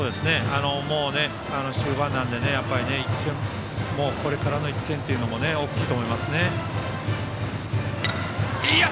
もう終盤なのでこれからの１点というのも大きいと思います。